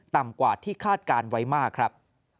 ต่ำกว่าที่คาดการณ์ไว้มากครับ